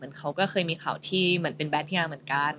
มันเคยเหมือนเค้าเอร์เป็นแบทเเต้ย้าเหมือนกัน